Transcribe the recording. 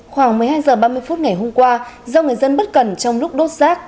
khoảng một mươi hai h ba mươi phút ngày hôm qua do người dân bất cần trong lúc đốt rác